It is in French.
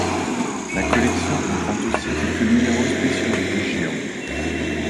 La collection comprend aussi quelques numéros spéciaux et géants.